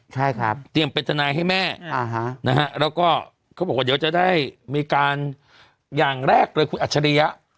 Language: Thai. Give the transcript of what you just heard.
ใช่ครับเตรียมเป็นทนายให้แม่นะฮะแล้วก็เขาบอกว่าเดี๋ยวจะได้มีการอย่างแรกเลยคุณอัจฉริยะ